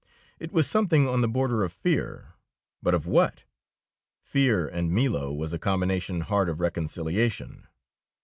It was something on the border of fear, but of what? Fear and Milo was a combination hard of reconciliation.